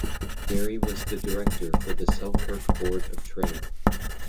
Barry was the director for the Selkirk Board of Trade.